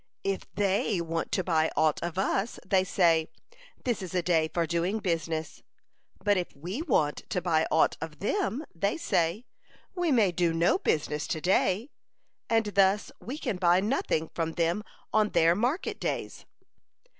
If they want to buy aught of us, they say, 'This is a day for doing business.' But if we want to buy aught of them, they say, 'We may do no business to day,' and thus we can buy nothing from them on their market days.